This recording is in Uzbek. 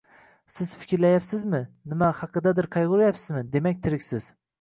Siz fikrlayapsizmi, nima haqidadir qayg‘uryapsizmi, demak, tiriksiz.